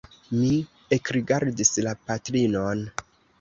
Mi ekrigardis la patrinon.